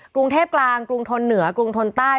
กรุงเทพกลางกรุงทนเหนือกรุงทนใต้